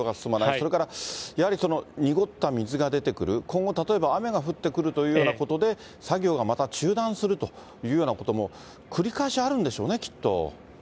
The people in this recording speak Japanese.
それから、やはり濁った水が出てくる、今後例えば雨が降ってくるというようなことで作業がまた中断するというようなことも繰り返しあるんでしょうね、きっと。